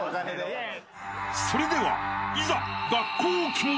［それではいざ］